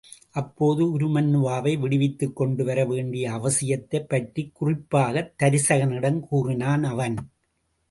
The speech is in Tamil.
அப்போது உருமண்ணுவாவை விடுவித்துக் கொண்டு வர வேண்டிய அவசியத்தைப் பற்றிக் குறிப்பாகத் தருசகனிடம் கூறினான் அவன்.